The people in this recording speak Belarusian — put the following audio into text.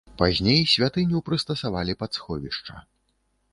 Пазней святыню прыстасавалі пад сховішча.